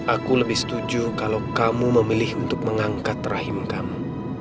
aku lebih setuju kalau kamu memilih untuk mengangkat rahim kamu